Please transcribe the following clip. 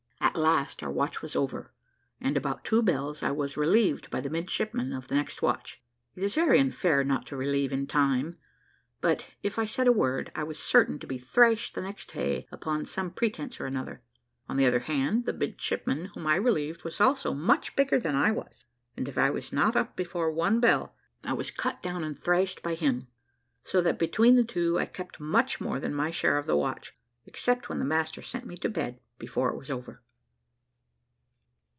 At last our watch was over, and about two bells I was relieved by the midshipman of the next watch. It is very unfair not to relieve in time, but if I said a word, I was certain to be thrashed the next day upon some pretence or another. On the other hand, the midshipman whom I relieved was also much bigger than I was, and if I was not up before one bell, I was cut down and thrashed by him: so that between the two I kept much more than my share of the watch, except when the master sent me to bed before it was over.